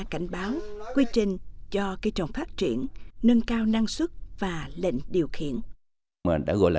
cảnh báo quy trình cho cây trồng phát triển nâng cao năng suất và lệnh điều khiển đã gọi là